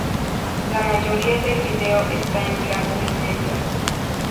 La mayoría del vídeo esta en blanco y negro.